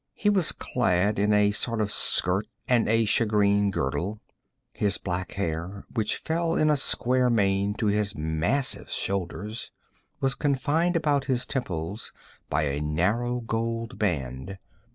He was clad in a sort of skirt and a shagreen girdle. His black hair, which fell in a square mane to his massive shoulders, was confined about his temples by a narrow gold band.